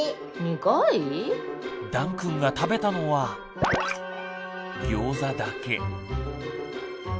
だんくんが食べたのはギョーザだけ。